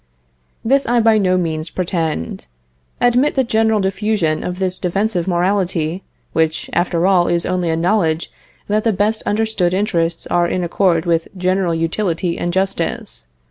This I by no means pretend. Admit the general diffusion of this defensive morality which, after all, is only a knowledge that the best understood interests are in accord with general utility and justice.